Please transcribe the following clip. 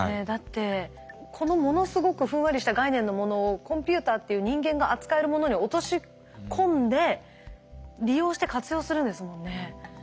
だってこのものすごくふんわりした概念のものをコンピューターっていう人間が扱えるものに落とし込んで利用して活用するんですもんね。